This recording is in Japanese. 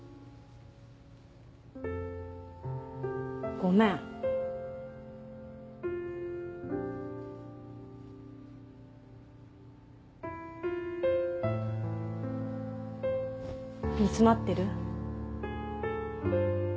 ごめん煮詰まってる？